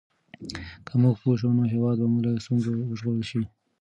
که موږ پوه شو نو هېواد به مو له ستونزو وژغورل شي.